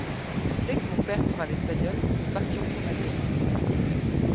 Dès que mon père saura l’espagnol, nous partirons pour Madrid.